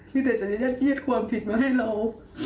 เพียงแต่จะยัดเกลียดความผิดมาให้เรา